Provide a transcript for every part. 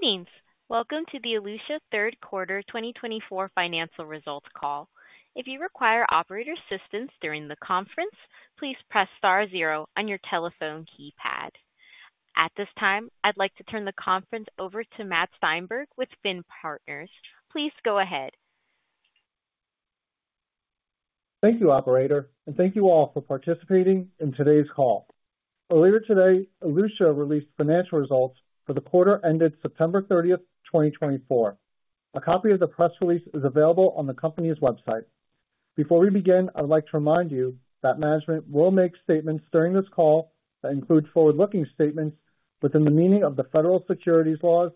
Greetings. Welcome to the Elutia Q3 2024 financial results call. If you require operator assistance during the conference, please press star zero on your telephone keypad. At this time, I'd like to turn the conference over to Matt Steinberg with Finn Partners. Please go ahead. Thank you, Operator, and thank you all for participating in today's call. Earlier today, Elutia released financial results for the quarter ended September 30th, 2024. A copy of the press release is available on the company's website. Before we begin, I'd like to remind you that management will make statements during this call that include forward-looking statements within the meaning of the federal securities laws,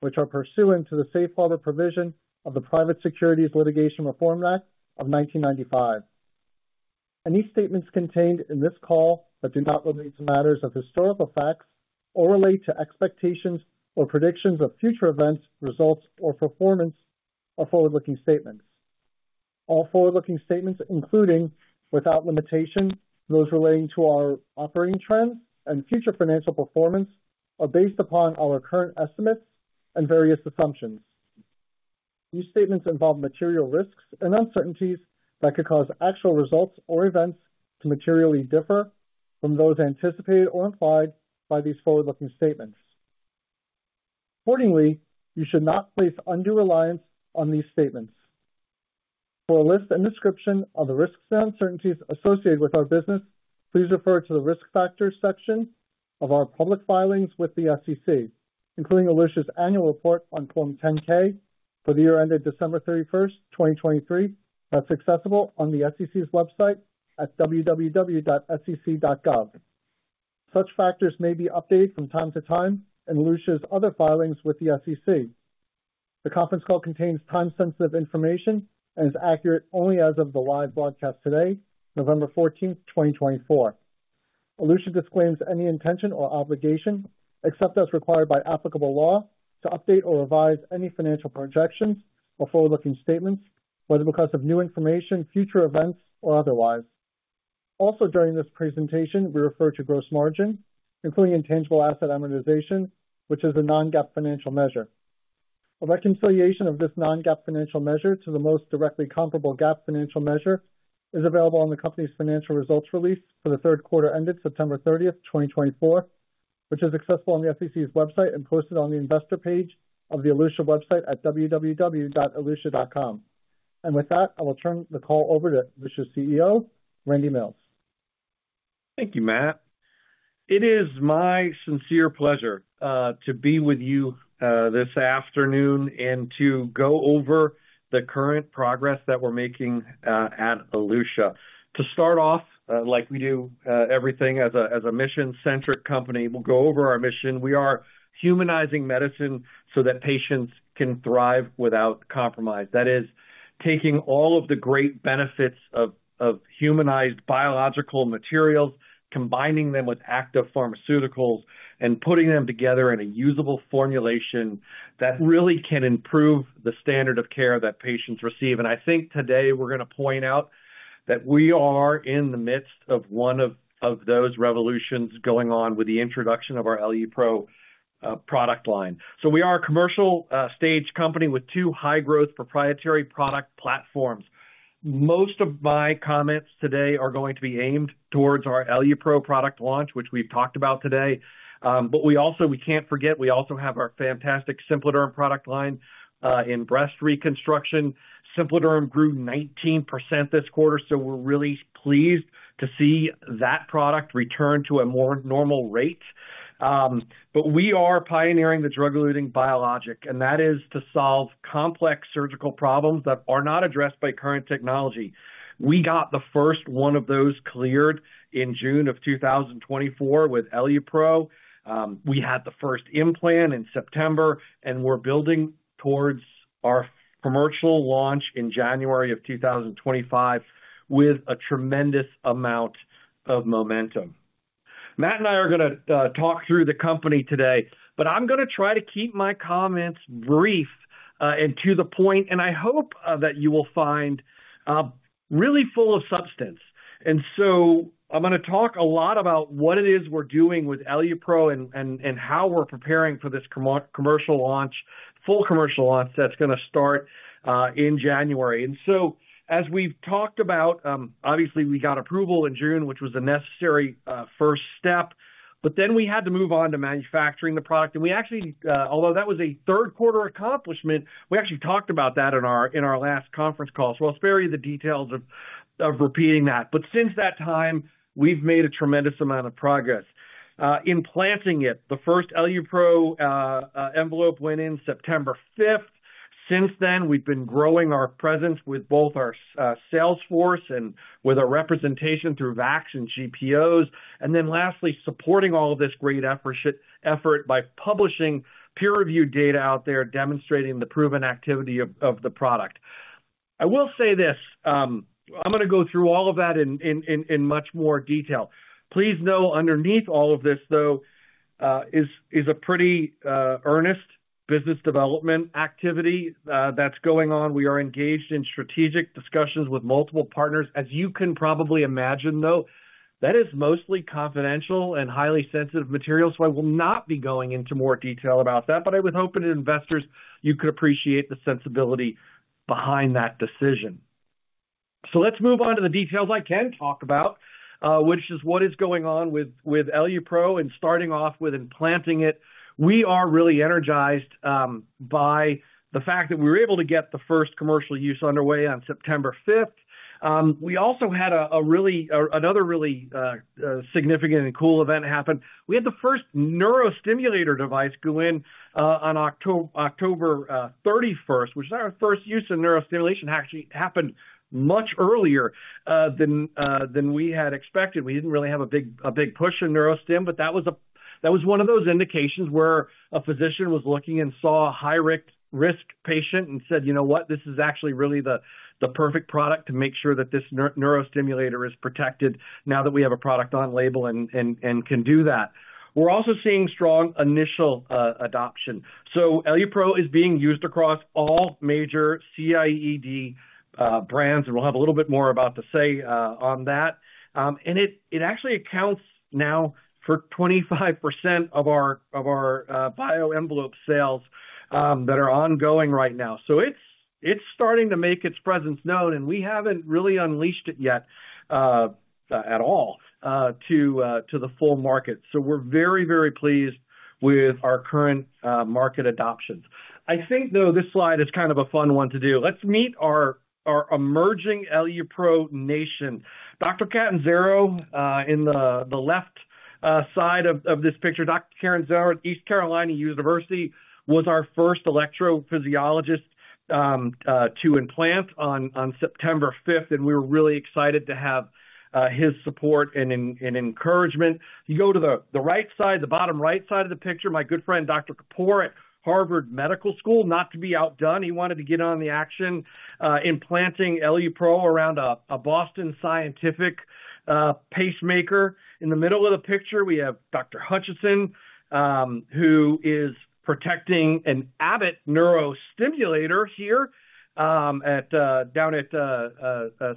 which are pursuant to the safe harbor provision of the Private Securities Litigation Reform Act of 1995. Any statements contained in this call that do not relate to matters of historical facts or relate to expectations or predictions of future events, results, or performance are forward-looking statements. All forward-looking statements, including without limitation, those relating to our operating trends and future financial performance are based upon our current estimates and various assumptions. These statements involve material risks and uncertainties that could cause actual results or events to materially differ from those anticipated or implied by these forward-looking statements. Importantly, you should not place undue reliance on these statements. For a list and description of the risks and uncertainties associated with our business, please refer to the risk factors section of our public filings with the SEC, including Elutia's annual report on Form 10-K for the year ended December 31st, 2023, that's accessible on the SEC's website at www.sec.gov. Such factors may be updated from time to time in Elutia's other filings with the SEC. The conference call contains time-sensitive information and is accurate only as of the live broadcast today, November 14th, 2024. Elutia disclaims any intention or obligation, except as required by applicable law, to update or revise any financial projections or forward-looking statements, whether because of new information, future events, or otherwise. Also, during this presentation, we refer to gross margin, including intangible asset amortization, which is a non-GAAP financial measure. A reconciliation of this non-GAAP financial measure to the most directly comparable GAAP financial measure is available on the company's financial results release for the Q4 ended September 30th, 2024, which is accessible on the SEC's website and posted on the investor page of the Elutia website at www.elutia.com, and with that, I will turn the call over to Elutia's CEO, Randy Mills. Thank you, Matt. It is my sincere pleasure to be with you this afternoon and to go over the current progress that we're making at Elutia. To start off, like we do everything as a mission-centric company, we'll go over our mission. We are humanizing medicine so that patients can thrive without compromise. That is, taking all of the great benefits of humanized biological materials, combining them with active pharmaceuticals, and putting them together in a usable formulation that really can improve the standard of care that patients receive. And I think today we're going to point out that we are in the midst of one of those revolutions going on with the introduction of our EluPro product line. So we are a commercial stage company with two high-growth proprietary product platforms. Most of my comments today are going to be aimed towards our EluPro product launch, which we've talked about today. But we also, we can't forget, we also have our fantastic SimpliDerm product line in breast reconstruction. SimpliDerm grew 19% this quarter, so we're really pleased to see that product return to a more normal rate. But we are pioneering the drug-eluting biologic, and that is to solve complex surgical problems that are not addressed by current technology. We got the first one of those cleared in June of 2024 with EluPro. We had the first implant in September, and we're building towards our commercial launch in January of 2025 with a tremendous amount of momentum. Matt and I are going to talk through the company today, but I'm going to try to keep my comments brief and to the point, and I hope that you will find really full of substance. I'm going to talk a lot about what it is we're doing with EluPro and how we're preparing for this commercial launch, full commercial launch that's going to start in January. As we've talked about, obviously we got approval in June, which was a necessary first step, but then we had to move on to manufacturing the product. We actually, although that was a third quarter accomplishment, we actually talked about that in our last conference call. I'll spare you the details of repeating that. Since that time, we've made a tremendous amount of progress in implanting it. The first EluPro envelope went in September 5th. Since then, we've been growing our presence with both our sales force and with our representation through VAC and GPOs, and then lastly, supporting all of this great effort by publishing peer-reviewed data out there demonstrating the proven activity of the product. I will say this, I'm going to go through all of that in much more detail. Please know underneath all of this, though, is a pretty earnest business development activity that's going on. We are engaged in strategic discussions with multiple partners. As you can probably imagine, though, that is mostly confidential and highly sensitive material, so I will not be going into more detail about that, but I was hoping investors, you could appreciate the sensibility behind that decision, so let's move on to the details I can talk about, which is what is going on with EluPro and starting off with implanting it. We are really energized by the fact that we were able to get the first commercial use underway on September 5th. We also had another really significant and cool event happen. We had the first neurostimulator device go in on October 31st, which is our first use of neurostimulation actually happened much earlier than we had expected. We didn't really have a big push in neurostim, but that was one of those indications where a physician was looking and saw a high-risk patient and said, you know what, this is actually really the perfect product to make sure that this neurostimulator is protected now that we have a product on label and can do that. We're also seeing strong initial adoption. So EluPro is being used across all major CIED brands, and we'll have a little bit more to say about that. It actually accounts now for 25% of our bioenvelope sales that are ongoing right now. So it's starting to make its presence known, and we haven't really unleashed it yet at all to the full market. So we're very, very pleased with our current market adoptions. I think, though, this slide is kind of a fun one to do. Let's meet our emerging EluPro nation. Dr. Catanzaro in the left side of this picture. Dr. Catanzaro at East Carolina University was our first electrophysiologist to implant on September 5th, and we were really excited to have his support and encouragement. You go to the right side, the bottom right side of the picture, my good friend, Dr. Kapur at Harvard Medical School, not to be outdone, he wanted to get in on the action in implanting EluPro around a Boston Scientific pacemaker. In the middle of the picture, we have Dr. Hutchison, who is protecting an Abbott neurostimulator here down at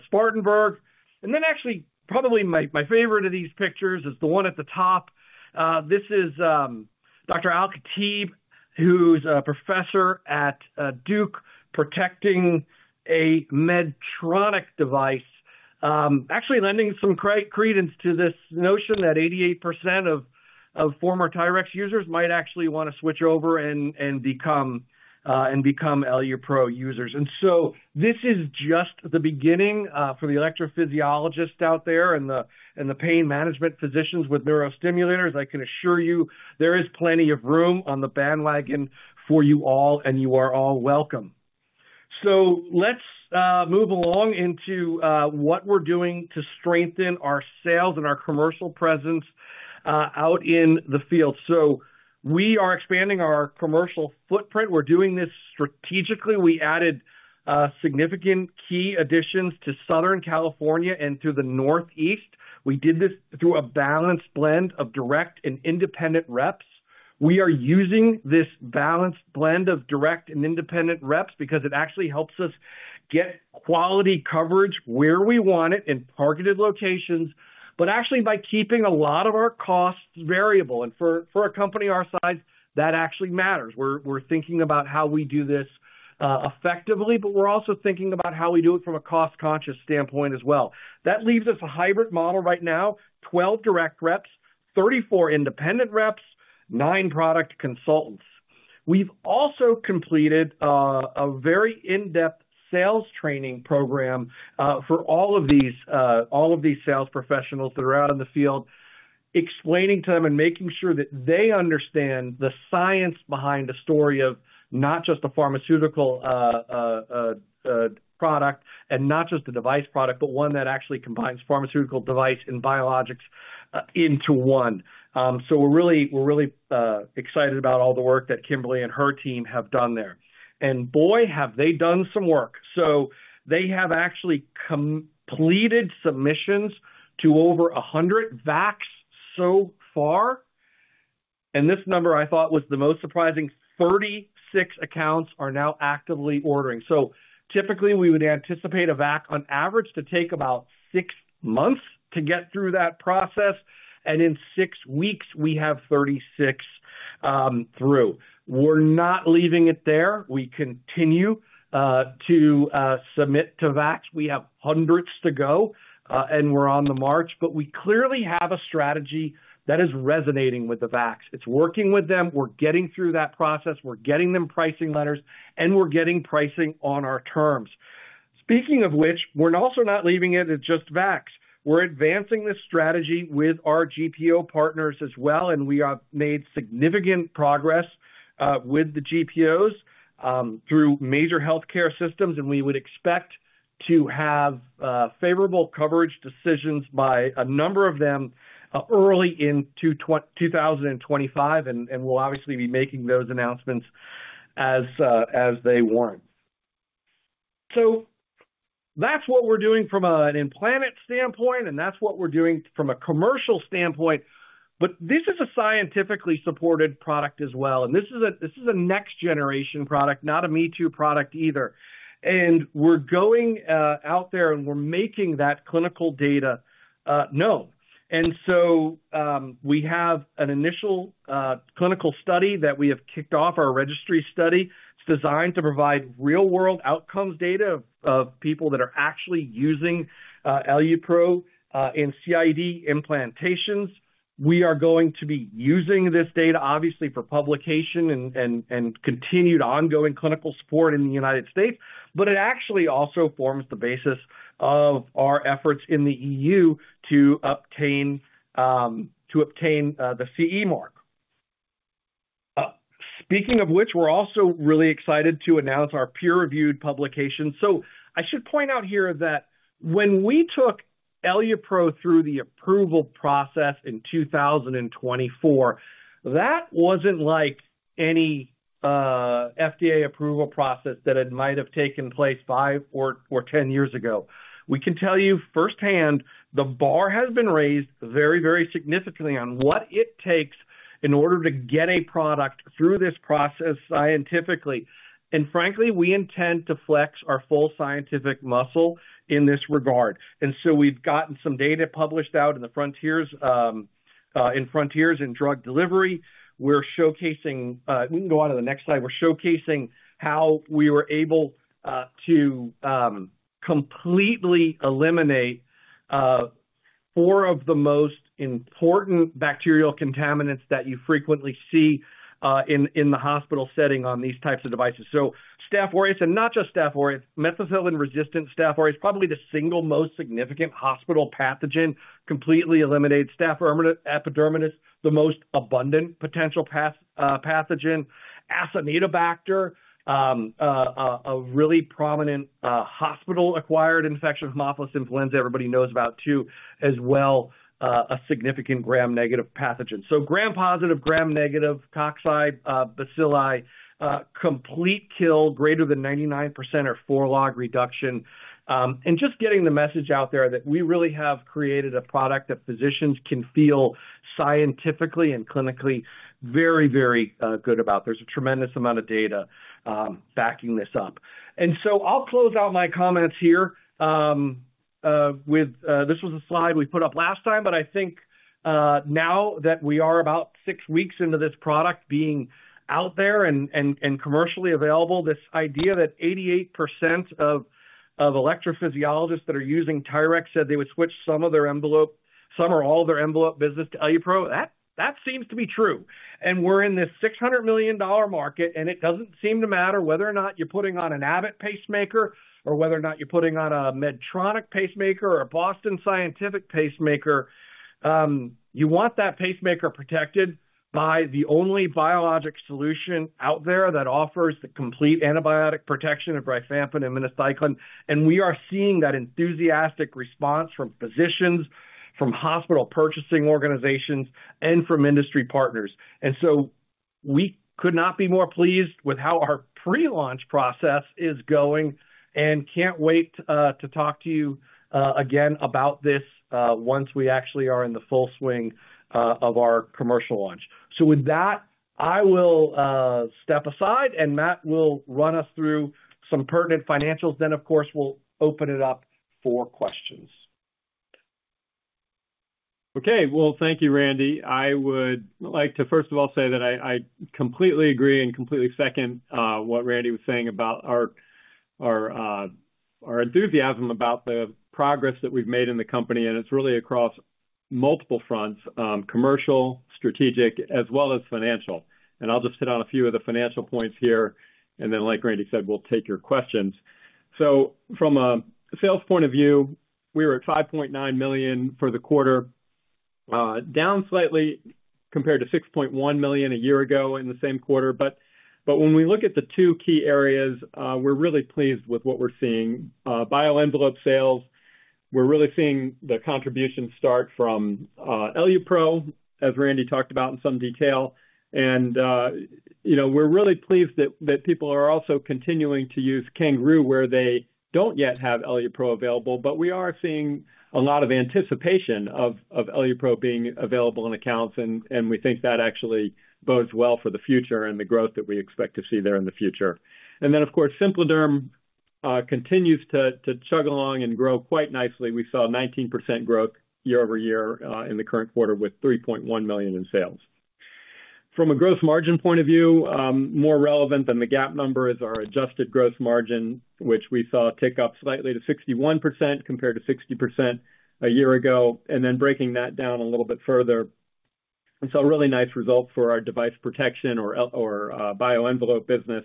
Spartanburg, and then actually, probably my favorite of these pictures is the one at the top. This is Dr. Al-Khatib, who's a professor at Duke, protecting a Medtronic device, actually lending some credence to this notion that 88% of former TYRX users might actually want to switch over and become EluPro users, and so this is just the beginning for the electrophysiologists out there and the pain management physicians with neurostimulators. I can assure you there is plenty of room on the bandwagon for you all, and you are all welcome, so let's move along into what we're doing to strengthen our sales and our commercial presence out in the field, so we are expanding our commercial footprint. We're doing this strategically. We added significant key additions to Southern California and to the Northeast. We did this through a balanced blend of direct and independent reps. We are using this balanced blend of direct and independent reps because it actually helps us get quality coverage where we want it in targeted locations, but actually by keeping a lot of our costs variable, and for a company our size, that actually matters. We're thinking about how we do this effectively, but we're also thinking about how we do it from a cost-conscious standpoint as well. That leaves us a hybrid model right now: 12 direct reps, 34 independent reps, nine product consultants. We've also completed a very in-depth sales training program for all of these sales professionals that are out in the field, explaining to them and making sure that they understand the science behind a story of not just a pharmaceutical product and not just a device product, but one that actually combines pharmaceutical device and biologics into one. So we're really excited about all the work that Kimberly and her team have done there. And boy, have they done some work. So they have actually completed submissions to over 100 VAC so far. And this number I thought was the most surprising: 36 accounts are now actively ordering. So typically, we would anticipate a VAC on average to take about six months to get through that process. And in six weeks, we have 36 through. We're not leaving it there. We continue to submit to VAC. We have hundreds to go, and we're on the march, but we clearly have a strategy that is resonating with the VAC. It's working with them. We're getting through that process. We're getting them pricing letters, and we're getting pricing on our terms. Speaking of which, we're also not leaving it at just VAC. We're advancing this strategy with our GPO partners as well, and we have made significant progress with the GPOs through major healthcare systems. And we would expect to have favorable coverage decisions by a number of them early into 2025, and we'll obviously be making those announcements as they warrant. So that's what we're doing from an implant standpoint, and that's what we're doing from a commercial standpoint. But this is a scientifically supported product as well. And this is a next-generation product, not a me-too product either. We're going out there, and we're making that clinical data known. We have an initial clinical study that we have kicked off our registry study. It's designed to provide real-world outcomes data of people that are actually using EluPro in CIED implantations. We are going to be using this data, obviously, for publication and continued ongoing clinical support in the United States, but it actually also forms the basis of our efforts in the EU to obtain the CE mark. Speaking of which, we're also really excited to announce our peer-reviewed publication. I should point out here that when we took EluPro through the approval process in 2024, that wasn't like any FDA approval process that it might have taken place five or 10 years ago. We can tell you firsthand, the bar has been raised very, very significantly on what it takes in order to get a product through this process scientifically. Frankly, we intend to flex our full scientific muscle in this regard. So we've gotten some data published out in the frontiers in drug delivery. We're showcasing. We can go on to the next slide. We're showcasing how we were able to completely eliminate four of the most important bacterial contaminants that you frequently see in the hospital setting on these types of devices. So Staph aureus, and not just Staph aureus, methicillin-resistant Staph aureus, probably the single most significant hospital pathogen, completely eliminated. Staph epidermidis, the most abundant potential pathogen. Acinetobacter, a really prominent hospital-acquired infectious Haemophilus influenzae, everybody knows about too, as well, a significant gram-negative pathogen. So gram-positive, gram-negative, cocci, bacilli, complete kill, greater than 99% or four log reduction. Just getting the message out there that we really have created a product that physicians can feel scientifically and clinically very, very good about. There's a tremendous amount of data backing this up. So I'll close out my comments here with this was a slide we put up last time, but I think now that we are about six weeks into this product being out there and commercially available, this idea that 88% of electrophysiologists that are using TYRX said they would switch some of their envelope, some or all of their envelope business to EluPro, that seems to be true. We're in this $600 million market, and it doesn't seem to matter whether or not you're putting on an Abbott pacemaker or whether or not you're putting on a Medtronic pacemaker or a Boston Scientific pacemaker. You want that pacemaker protected by the only biologic solution out there that offers the complete antibiotic protection of rifampin and minocycline, and we are seeing that enthusiastic response from physicians, from hospital purchasing organizations, and from industry partners, and so we could not be more pleased with how our pre-launch process is going and can't wait to talk to you again about this once we actually are in the full swing of our commercial launch, so with that, I will step aside, and Matt will run us through some pertinent financials. Then, of course, we'll open it up for questions. Okay, well, thank you, Randy. I would like to, first of all, say that I completely agree and completely second what Randy was saying about our enthusiasm about the progress that we've made in the company, and it's really across multiple fronts: commercial, strategic, as well as financial. I'll just hit on a few of the financial points here. Then, like Randy said, we'll take your questions. From a sales point of view, we were at $5.9 million for the quarter, down slightly compared to $6.1 million a year ago in the same quarter. When we look at the two key areas, we're really pleased with what we're seeing. BioEnvelope sales, we're really seeing the contribution start from EluPro, as Randy talked about in some detail. We're really pleased that people are also continuing to use CanGaroo, where they don't yet have EluPro available, but we are seeing a lot of anticipation of EluPro being available in accounts. We think that actually bodes well for the future and the growth that we expect to see there in the future. Of course, SimpliDerm continues to chug along and grow quite nicely. We saw 19% growth year over year in the current quarter with $3.1 million in sales. From a gross margin point of view, more relevant than the GAAP number is our adjusted gross margin, which we saw tick up slightly to 61% compared to 60% a year ago, and then breaking that down a little bit further, it's a really nice result for our device protection or bioenvelope business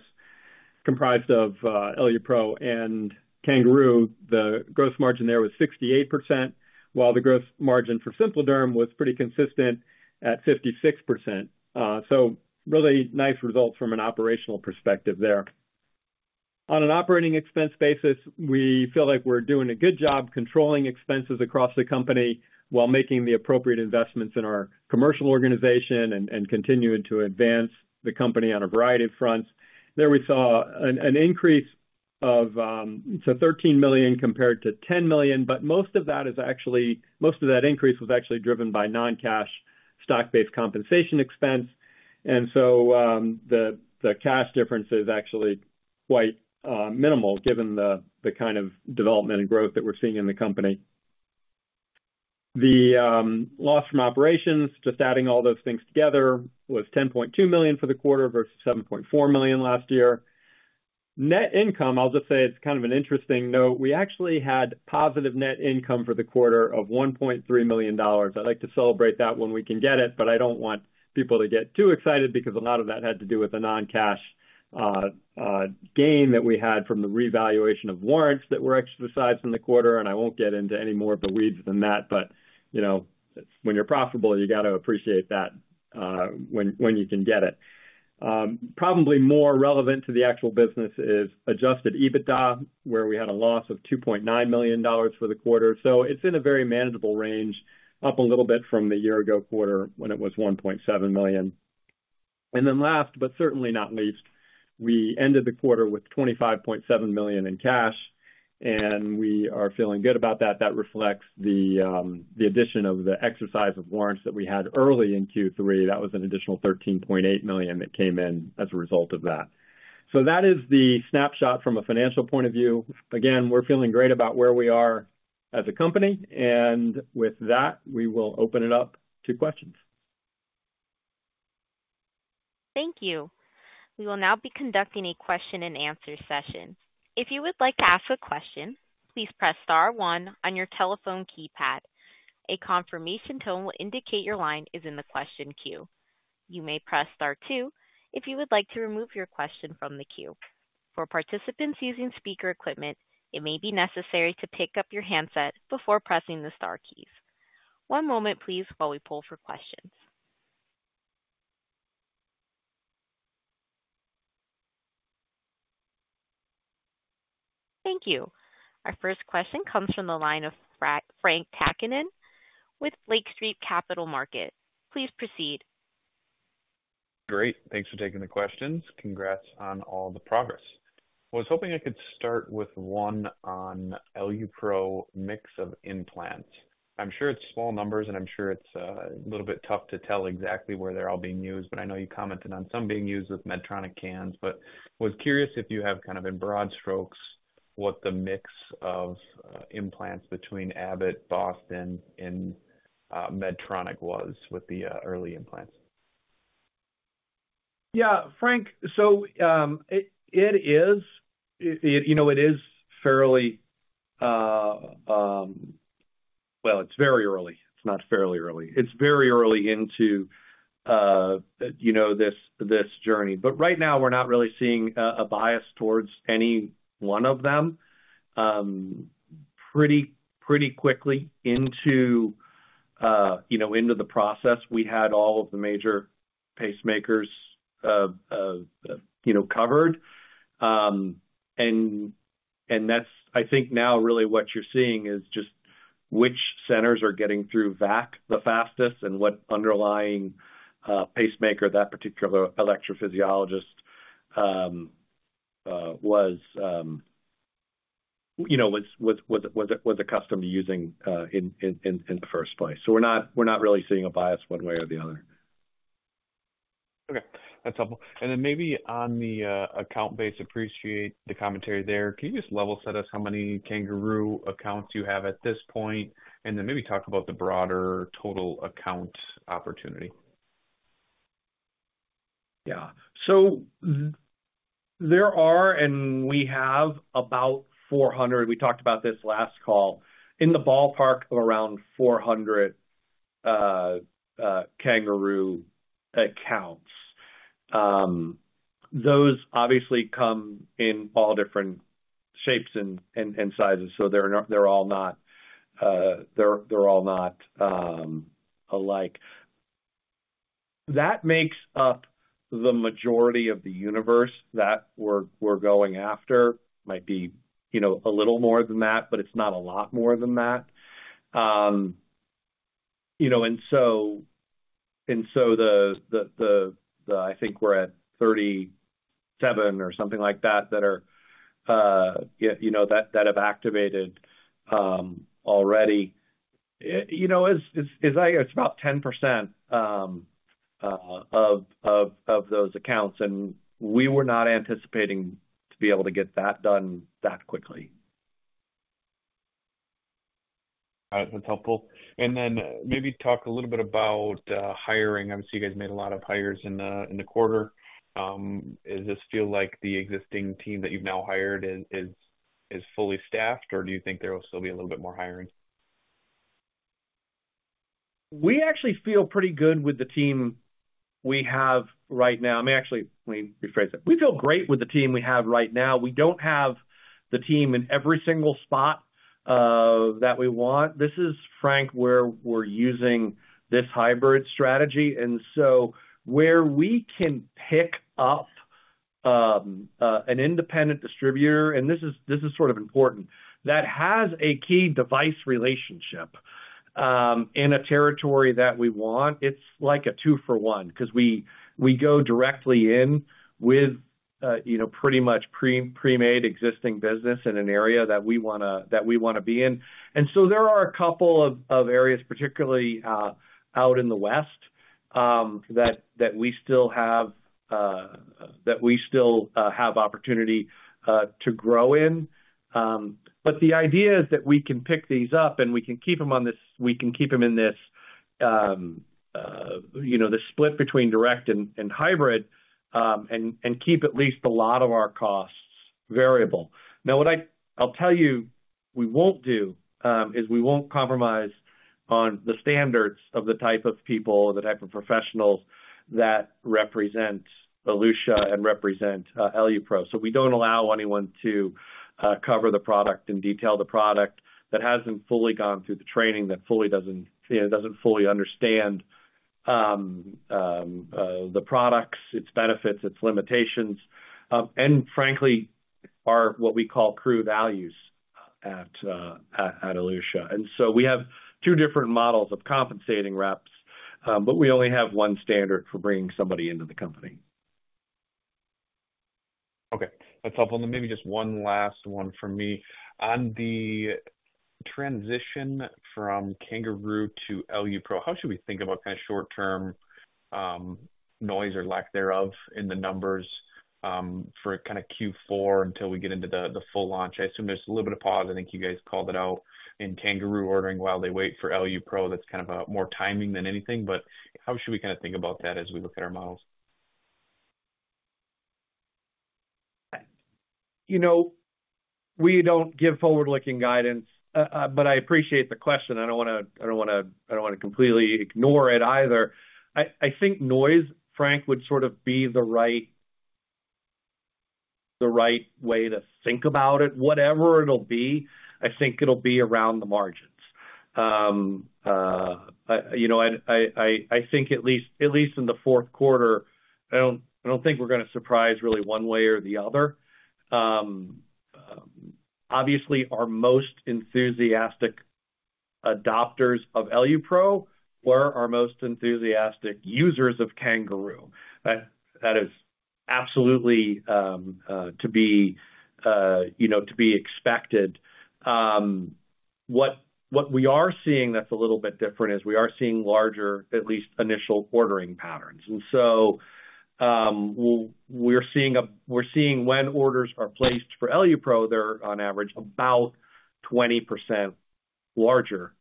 comprised of EluPro and CanGaroo. The gross margin there was 68%, while the gross margin for SimpliDerm was pretty consistent at 56%, so really nice results from an operational perspective there. On an operating expense basis, we feel like we're doing a good job controlling expenses across the company while making the appropriate investments in our commercial organization and continuing to advance the company on a variety of fronts. There we saw an increase to $13 million compared to $10 million, but most of that increase was actually driven by non-cash stock-based compensation expense. So the cash difference is actually quite minimal given the kind of development and growth that we're seeing in the company. The loss from operations, just adding all those things together, was $10.2 million for the quarter versus $7.4 million last year. Net income, I'll just say it's kind of an interesting note. We actually had positive net income for the quarter of $1.3 million. I'd like to celebrate that when we can get it, but I don't want people to get too excited because a lot of that had to do with the non-cash gain that we had from the revaluation of warrants that were exercised in the quarter. I won't get into any more of the weeds than that, but when you're profitable, you got to appreciate that when you can get it. Probably more relevant to the actual business is adjusted EBITDA, where we had a loss of $2.9 million for the quarter. So it's in a very manageable range, up a little bit from the year-ago quarter when it was $1.7 million. And then last, but certainly not least, we ended the quarter with $25.7 million in cash, and we are feeling good about that. That reflects the addition of the exercise of warrants that we had early in Q3. That was an additional $13.8 million that came in as a result of that. So that is the snapshot from a financial point of view. Again, we're feeling great about where we are as a company. And with that, we will open it up to questions. Thank you. We will now be conducting a question-and-answer session. If you would like to ask a question, please press star one on your telephone keypad. A confirmation tone will indicate your line is in the question queue. You may press star two if you would like to remove your question from the queue. For participants using speaker equipment, it may be necessary to pick up your handset before pressing the star keys. One moment, please, while we poll for questions. Thank you. Our first question comes from the line of Frank Takkinen with Lake Street Capital Markets. Please proceed. Great. Thanks for taking the questions. Congrats on all the progress. I was hoping I could start with one on EluPro mix of implants. I'm sure it's small numbers, and I'm sure it's a little bit tough to tell exactly where they're all being used, but I know you commented on some being used with Medtronic cans, but was curious if you have kind of in broad strokes what the mix of implants between Abbott, Boston, and Medtronic was with the early implants? Yeah, Frank, so it is fairly, well, it's very early. It's not fairly early. It's very early into this journey. But right now, we're not really seeing a bias towards any one of them. Pretty quickly into the process, we had all of the major pacemakers covered. And I think now really what you're seeing is just which centers are getting through VAC the fastest and what underlying pacemaker that particular electrophysiologist was accustomed to using in the first place. So we're not really seeing a bias one way or the other. Okay. That's helpful. And then maybe on the account-based, appreciate the commentary there. Can you just level set us how many CanGaroo accounts you have at this point? And then maybe talk about the broader total account opportunity. Yeah. So there are, and we have about 400. We talked about this last call, in the ballpark of around 400 CanGaroo accounts. Those obviously come in all different shapes and sizes. So they're all not alike. That makes up the majority of the universe that we're going after. Might be a little more than that, but it's not a lot more than that. And so I think we're at 37 or something like that that have activated already. It's about 10% of those accounts. And we were not anticipating to be able to get that done that quickly. That's helpful. And then maybe talk a little bit about hiring. Obviously, you guys made a lot of hires in the quarter. Does this feel like the existing team that you've now hired is fully staffed, or do you think there will still be a little bit more hiring? We actually feel pretty good with the team we have right now. I mean, actually, let me rephrase that. We feel great with the team we have right now. We don't have the team in every single spot that we want. This is, Frank, where we're using this hybrid strategy. And so where we can pick up an independent distributor, and this is sort of important, that has a key device relationship in a territory that we want, it's like a two-for-one because we go directly in with pretty much pre-made existing business in an area that we want to be in. And so there are a couple of areas, particularly out in the west, that we still have opportunity to grow in. But the idea is that we can pick these up, and we can keep them in this split between direct and hybrid and keep at least a lot of our costs variable. Now, what I'll tell you we won't do is we won't compromise on the standards of the type of people, the type of professionals that represent Elutia and represent EluPro. So we don't allow anyone to cover the product and detail the product that hasn't fully gone through the training, that doesn't fully understand the products, its benefits, its limitations, and frankly, what we call true values at Elutia. And so we have two different models of compensating reps, but we only have one standard for bringing somebody into the company. Okay. That's helpful. And then maybe just one last one for me. On the transition from CanGaroo to EluPro, how should we think about kind of short-term noise or lack thereof in the numbers for kind of Q4 until we get into the full launch? I assume there's a little bit of pause. I think you guys called it out in CanGaroo ordering while they wait for EluPro. That's kind of more timing than anything. But how should we kind of think about that as we look at our models? We don't give forward-looking guidance, but I appreciate the question. I don't want to. I don't want to completely ignore it either. I think noise, Frank, would sort of be the right way to think about it. Whatever it'll be, I think it'll be around the margins. I think at least in the Q4, I don't think we're going to surprise really one way or the other. Obviously, our most enthusiastic adopters of EluPro were our most enthusiastic users of CanGaroo. That is absolutely to be expected. What we are seeing that's a little bit different is we are seeing larger, at least initial ordering patterns. And so we're seeing when orders are placed for EluPro, they're on average about 20% larger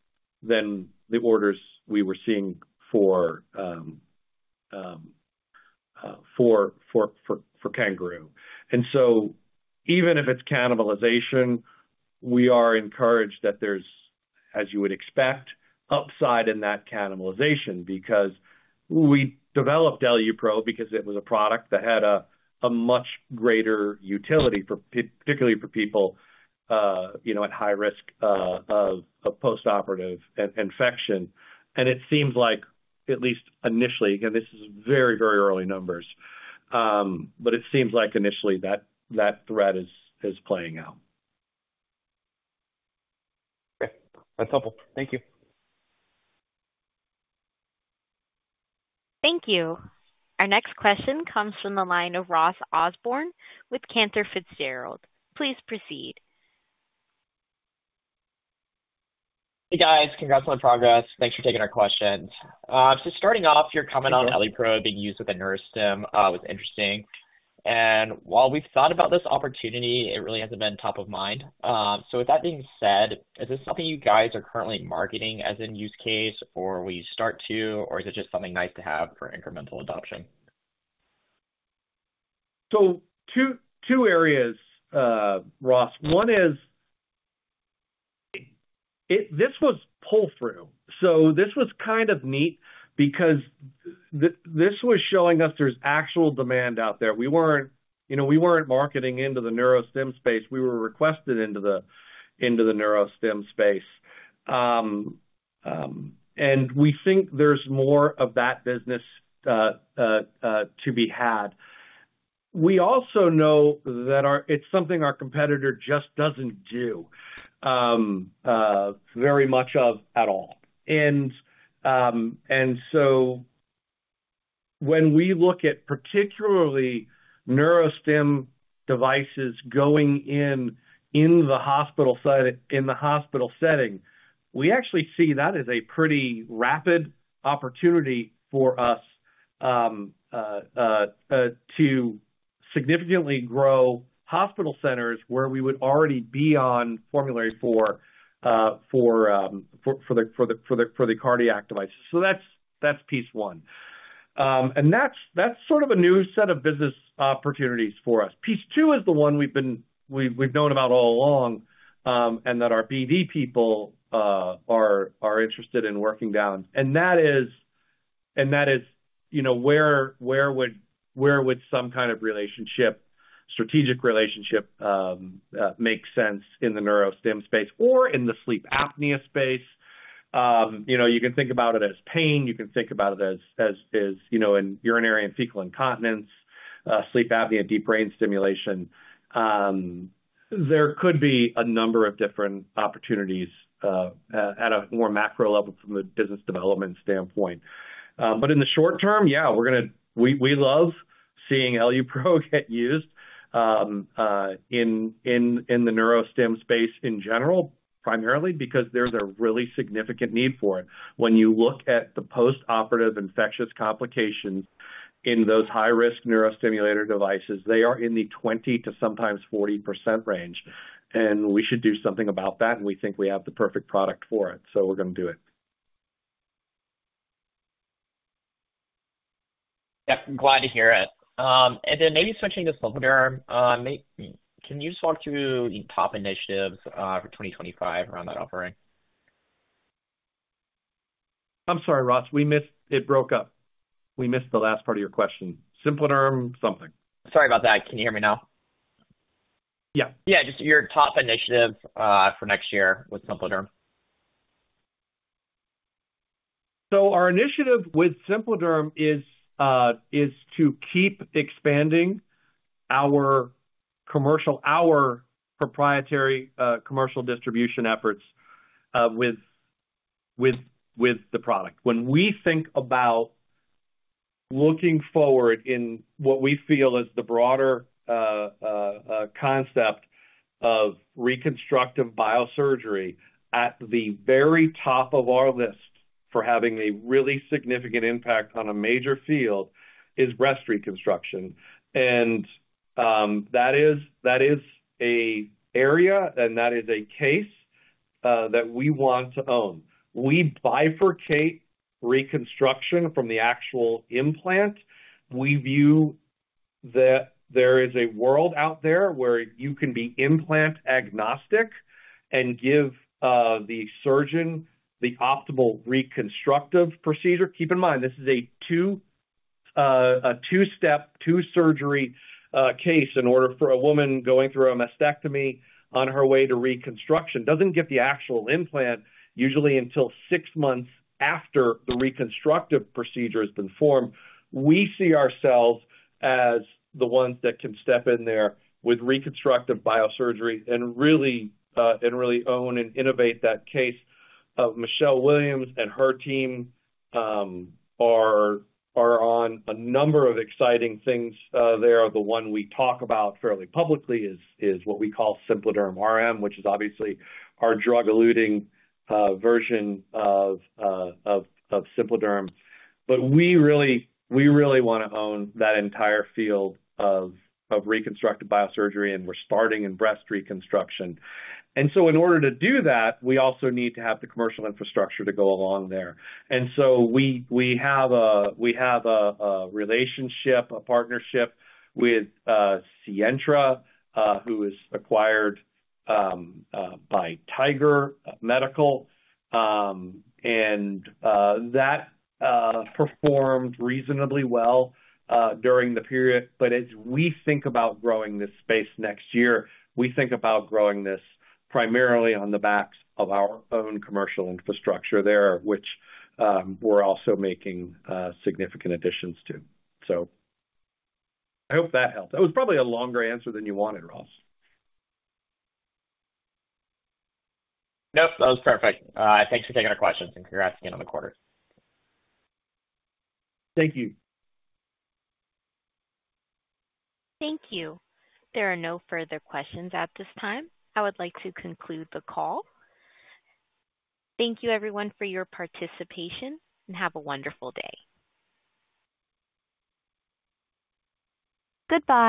than the orders we were seeing for CanGaroo. And so even if it's cannibalization, we are encouraged that there's, as you would expect, upside in that cannibalization because we developed EluPro because it was a product that had a much greater utility, particularly for people at high risk of post-operative infection. It seems like, at least initially, again, this is very, very early numbers, but it seems like initially that threat is playing out. Okay. That's helpful. Thank you. Thank you. Our next question comes from the line of Ross Osborne with Cantor Fitzgerald. Please proceed. Hey, guys. Congrats on the progress. Thanks for taking our questions. So starting off, your comment on EluPro being used with neurostimulators, it was interesting. And while we've thought about this opportunity, it really hasn't been top of mind. So with that being said, is this something you guys are currently marketing as a use case, or will you start to, or is it just something nice to have for incremental adoption? So two areas, Ross. One is this was pull-through. So this was kind of neat because this was showing us there's actual demand out there. We weren't marketing into the neurostim space. We were requested into the neurostim space. And we think there's more of that business to be had. We also know that it's something our competitor just doesn't do very much of at all. And so when we look at particularly neurostim devices going in the hospital setting, we actually see that as a pretty rapid opportunity for us to significantly grow hospital centers where we would already be on formulary for the cardiac devices. So that's piece one. And that's sort of a new set of business opportunities for us. Piece two is the one we've known about all along and that our BD people are interested in working on. And that is where would some kind of relationship, strategic relationship, make sense in the neurostim space or in the sleep apnea space? You can think about it as pain. You can think about it as urinary and fecal incontinence, sleep apnea, deep brain stimulation. There could be a number of different opportunities at a more macro level from the business development standpoint. But in the short term, yeah, we love seeing EluPro get used in the neurostim space in general, primarily because there's a really significant need for it. When you look at the post-operative infectious complications in those high-risk neurostimulator devices, they are in the 20%-sometimes 40% range. And we should do something about that. And we think we have the perfect product for it. So we're going to do it. Yep. I'm glad to hear it. And then maybe switching to Sientra, can you talk to top initiatives for 2025 around that offering? I'm sorry, Ross. It broke up. We missed the last part of your question. Sientra, something. Sorry about that. Can you hear me now? Yeah. Yeah. Just your top initiative for next year with SimpliDerm? So our initiative with SimpliDerm is to keep expanding our proprietary commercial distribution efforts with the product. When we think about looking forward in what we feel is the broader concept of reconstructive biosurgery, at the very top of our list for having a really significant impact on a major field is breast reconstruction. And that is an area, and that is a case that we want to own. We bifurcate reconstruction from the actual implant. We view that there is a world out there where you can be implant agnostic and give the surgeon the optimal reconstructive procedure. Keep in mind, this is a two-step, two-surgery case in order for a woman going through a mastectomy on her way to reconstruction. Doesn't get the actual implant usually until six months after the reconstructive procedure has been formed. We see ourselves as the ones that can step in there with reconstructive biosurgery and really own and innovate that case. Michelle Williams and her team are on a number of exciting things there. The one we talk about fairly publicly is what we call SimpliDerm RM, which is obviously our drug-eluting version of SimpliDerm. But we really want to own that entire field of reconstructive biosurgery, and we're starting in breast reconstruction. And so in order to do that, we also need to have the commercial infrastructure to go along there. And so we have a relationship, a partnership with Sientra, who was acquired by Tiger Medical. And that performed reasonably well during the period. But as we think about growing this space next year, we think about growing this primarily on the backs of our own commercial infrastructure there, which we're also making significant additions to. So I hope that helps. That was probably a longer answer than you wanted, Ross. Nope. That was perfect. Thanks for taking our questions and congrats again on the quarter. Thank you. Thank you. There are no further questions at this time. I would like to conclude the call. Thank you, everyone, for your participation, and have a wonderful day. Goodbye.